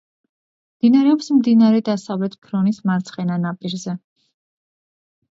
მდებარეობს მდინარე დასავლეთ ფრონის მარცხენა ნაპირზე.